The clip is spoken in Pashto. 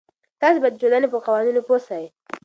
تاسې به د ټولنې په قوانینو پوه سئ.